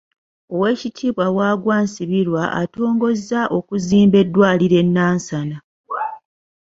Owekitiibwa Wagwa Nsibirwa ng'atongoza okuzimba eddwaliro e Nansana.